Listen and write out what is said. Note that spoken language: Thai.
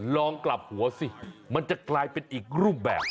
ลองกลับหัวสิมันจะกลายเป็นอีกรูปแบบ